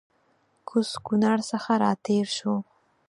کوز کونړ څخه راتېر سوو